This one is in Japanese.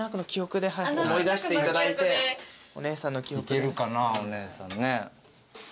いけるかなお姉さんね。